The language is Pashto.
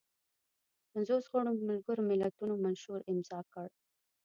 پنځوس غړو ملګرو ملتونو منشور امضا کړ.